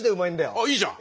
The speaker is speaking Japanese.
あっいいじゃん。